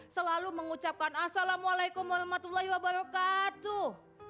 selalu mengucapkan assalamualaikum warahmatullahi wabarakatuh